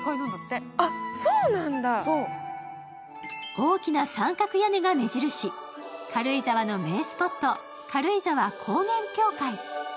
大きな三角屋根が目印、軽井沢の名スポット、軽井沢高原教会。